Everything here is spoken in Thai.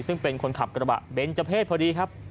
ซึ่งเป็นคนขับกระบะเบนเจอร์เพศพอดีครับ